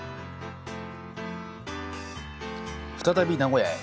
再び名古屋へ。